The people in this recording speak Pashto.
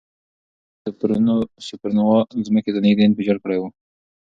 کلونه وړاندې سوپرنووا ځمکې ته نږدې انفجار کړی وي.